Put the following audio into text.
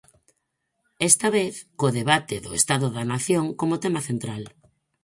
Esta vez co debate do Estado da nación como tema central.